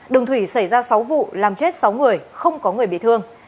đường thủy xảy ra sáu vụ làm chết sáu người không có người bị thương